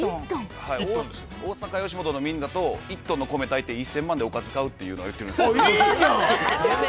大阪吉本のみんなと１トンの米炊いて１０００万でおかず買うっていうのやってるんですよ。